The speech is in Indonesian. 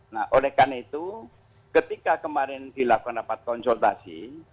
nah oleh karena itu ketika kemarin dilakukan rapat konsultasi